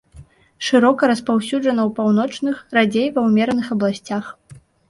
Шырока распаўсюджана ў паўночных, радзей ва ўмераных абласцях.